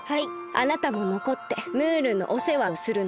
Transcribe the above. あなたものこってムールのおせわをするのです。